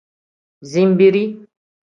Zinbiri.